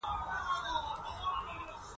مېز د موبایل او ساعت لپاره هم وي.